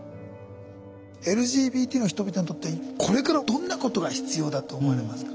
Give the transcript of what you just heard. ＬＧＢＴの人々にとってこれからどんなことが必要だと思われますか？